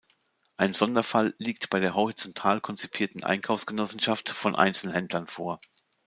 Ein Sonderfall liegt bei der horizontal konzipierten Einkaufsgenossenschaft von Einzelhändlern vor.